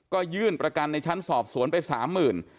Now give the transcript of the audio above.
ก็ยื่นประกันในชั้นสอบสวนไป๓๐๐๐บาท